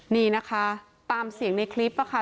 นี่นะคะตามเสียงในคลิปค่ะ